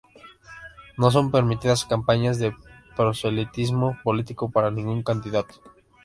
No son permitidas campañas de proselitismo político para ningún candidato.